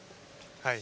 はい。